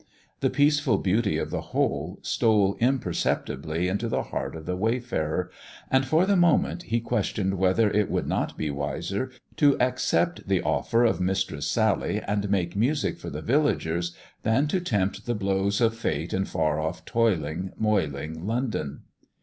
The peaceful beauty of the whole stole imperceptibly into the heart of the wayfarer, and for the moment he questioned whether it would not be wiser to accept the offer of Mistress Sally and make music for the villagers, than to tempt the blows of Fate in far off toiling, moiling London.